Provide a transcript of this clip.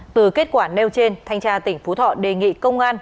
từ kết quả nêu trên thanh tra tỉnh phú thọ đề nghị công an